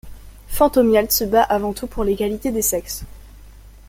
Fantomialde se bat avant tout pour l'égalité des sexes.